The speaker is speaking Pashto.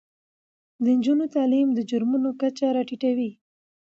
د نجونو تعلیم د جرمونو کچه راټیټوي.